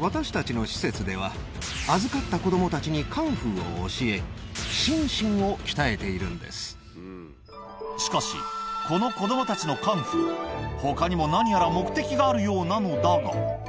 私たちの施設では、預かった子どもたちにカンフーを教え、しかし、この子どもたちのカンフー、ほかにも何やら目的があるようなのだが。